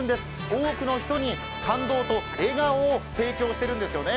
多くの人に感動と笑顔を提供しているんですよね。